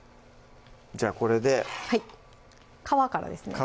じゃあこれではい皮からですね